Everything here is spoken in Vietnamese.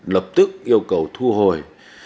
lập tức yêu cầu thu hồi